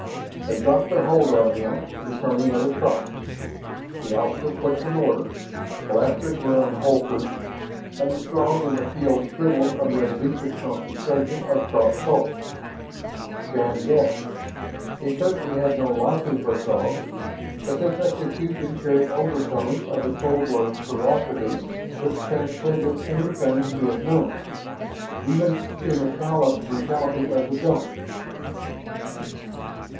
They dropped their hold on him, returning at a trot. The officer clicked an order. Blasters were unholstered, and the Throg in the field shriveled under a vicious concentration of cross bolts. Shann gasped. He certainly had no liking for Throgs, but this execution carried overtones of a cold blooded ferocity which transcended anything he had known, even in the callous brutality of the Dumps.